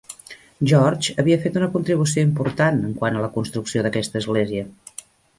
George havia fet una contribució important en quant a la construcció d'aquesta església.